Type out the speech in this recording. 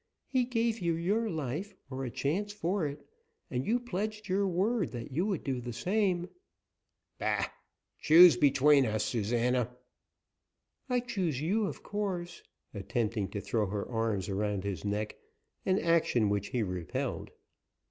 "He gave you your life, or a chance for it, and you pledged your word that you would do the same " "Bah! Choose between us, Susana." "I choose you, of course," attempting to throw her arms around his neck, an action which he repelled.